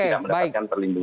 tidak mendapatkan perlindungan